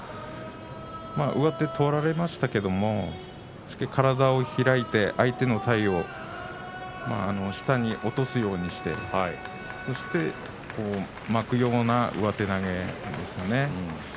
上手取られましたけれども体を開いて相手の体を下に落とすようにして巻くような上手投げでしたね。